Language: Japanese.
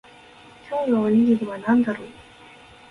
今日のおにぎりは何だろう